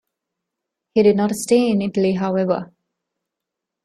He did not stay in Italy, however.